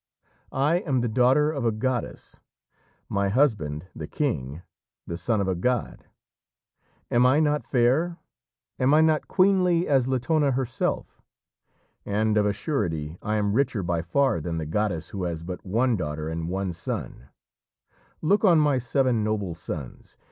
I am the daughter of a goddess, my husband, the king, the son of a god. Am I not fair? am I not queenly as Latona herself? And, of a surety, I am richer by far than the goddess who has but one daughter and one son. Look on my seven noble sons!